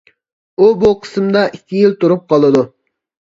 ئۇ بۇ قىسىمدا ئىككى يىل تۇرۇپ قالىدۇ.